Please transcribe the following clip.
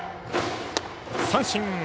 三振。